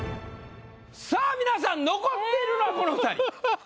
さぁ皆さん残ってるのはこの２人。